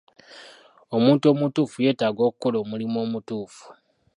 Omuntu omutuufu yeetaaga okukola omulimu omutuufu.